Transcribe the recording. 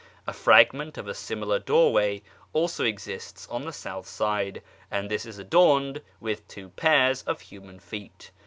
A fragment of a similar doorway also exists on the south side, and this is adorned with two pairs of human feet.